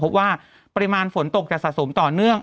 พบว่าปริมาณฝนตกจะสะสมต่อเนื่อง